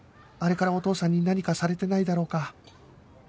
あれからお父さんに何かされてないだろうか？